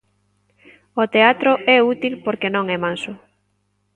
O teatro é útil porque non é manso.